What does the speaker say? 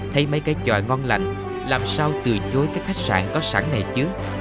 thấy mấy cái tròi ngon lạnh làm sao từ chối các khách sạn có sẵn này chứ